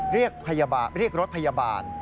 เรียกรถพยาบาล